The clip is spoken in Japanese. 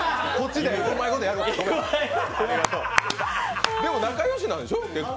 でも中村君と仲良しなんでしょ？